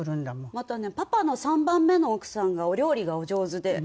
またねパパの３番目の奥さんがお料理がお上手でうん。